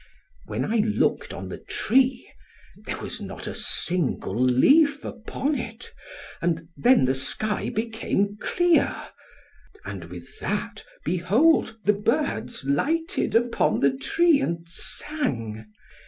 When I looked on the tree, there was not a single leaf upon it, and then the sky became clear; and with that, behold the birds lighted upon the tree, and sang.